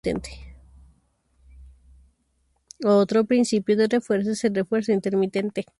Otro principio de refuerzo es el refuerzo intermitente.